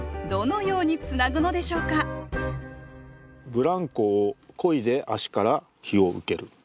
「ブランコをこいで足から陽を受ける」。